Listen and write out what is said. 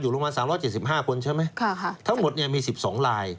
อยู่โรงพยาบาล๓๗๕คนใช่ไหมทั้งหมดเนี่ยมี๑๒ลาย